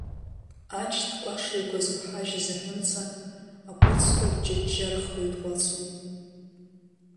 Аџьтә кәаш ҩақәа зықәҳажьыз аҳәымца, акәицқәа аҷҷа-ҷҷа рыхго итҟәацуан.